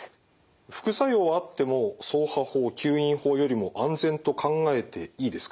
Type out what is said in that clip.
副作用あっても掻爬法吸引法よりも安全と考えていいですか？